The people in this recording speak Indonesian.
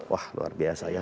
wah luar biasa ya